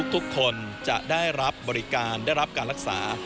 ทุกคนจะได้รับบริการการรักษา